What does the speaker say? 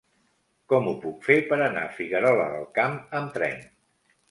Com ho puc fer per anar a Figuerola del Camp amb tren?